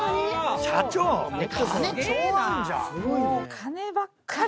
金ばっかり！